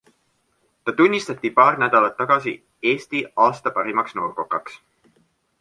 Ta tunnistati paar nädalat tagasi Eesti aasta parimaks noorkokaks.